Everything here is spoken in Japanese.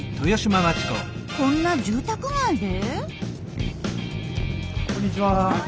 こんな住宅街で？